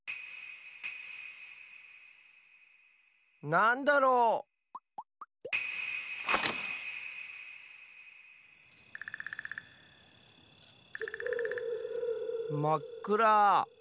なんだろう？まっくら。